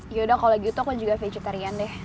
yaudah kalau youtube aku juga vegetarian deh